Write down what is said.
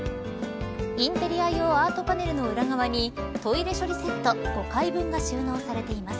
インテリア用アートパネルの裏側にトイレ処理セット５回分が収納されています。